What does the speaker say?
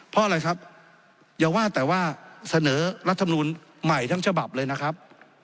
เพราะอะไรครับอย่าว่าแต่ว่าเสนอรัฐมนูลใหม่ทั้งฉบับเลยนะครับ